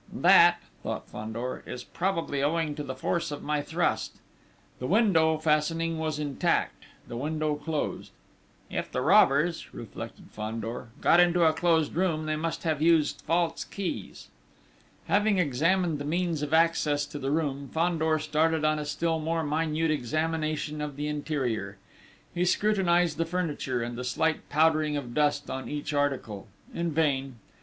"That," thought Fandor, "is probably owing to the force of my thrust!" The window fastening was intact: the window closed. "If the robbers," reflected Fandor, "got into a closed room, they must have used false keys." Having examined the means of access to the room, Fandor started on a still more minute examination of the interior. He scrutinised the furniture and the slight powdering of dust on each article: in vain!...